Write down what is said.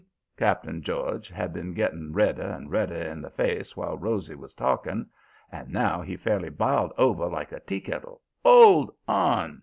Cap'n George had been getting redder and redder in the face while Rosy was talking, and now he fairly biled over, like a teakettle. ''Old on!'